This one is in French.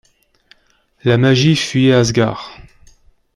La magie fuyait Asgard…